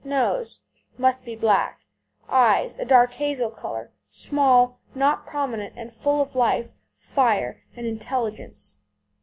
NOSE Must be black. EYES A dark hazel colour, small, not prominent, and full of life, fire, and intelligence.